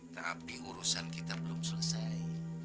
tapi urusan kita belum selesai